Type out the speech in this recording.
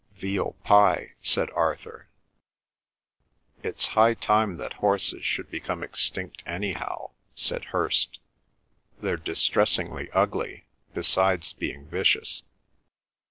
"Veal pie," said Arthur. "It's high time that horses should become extinct anyhow," said Hirst. "They're distressingly ugly, besides being vicious."